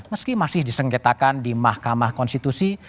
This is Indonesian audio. meski masih disengketakan di mahkamah konstitusi